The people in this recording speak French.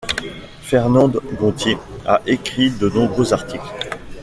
Fernande Gontier a écrit de nombreux articles.